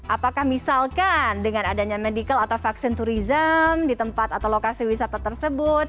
apakah misalkan dengan adanya medical atau vaksin turism di tempat atau lokasi wisata tersebut